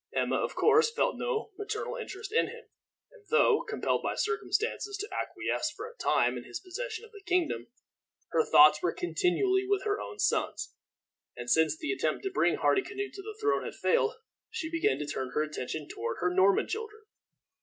Emma, of course, felt no maternal interest in him, and though compelled by circumstances to acquiesce for a time in his possession of the kingdom, her thoughts were continually with her own sons; and since the attempt to bring Hardicanute to the throne had failed, she began to turn her attention toward her Norman children.